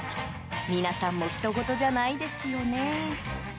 皆さんもひとごとじゃないですよね。